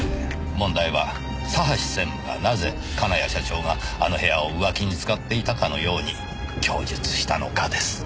問題は佐橋専務がなぜ金谷社長があの部屋を浮気に使っていたかのように供述したのかです。